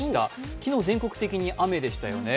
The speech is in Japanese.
昨日、全国的に雨でしたよね。